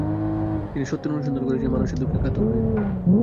তিনি সত্যের অনুসন্ধান করেছেন মানুষের দুঃখে কাতর হয়ে।